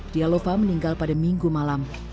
dialova meninggal pada minggu malam